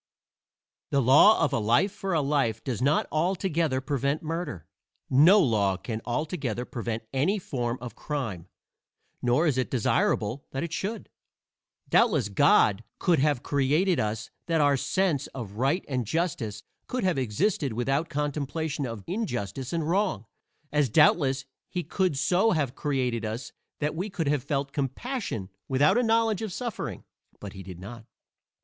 II The law of a life for a life does not altogether prevent murder. No law can altogether prevent any form of crime, nor is it desirable that it should. Doubtless God could so have created us that our sense of right and justice could have existed without contemplation of injustice and wrong; as doubtless he could so have created us that we could have felt compassion without a knowledge of suffering; but he did not.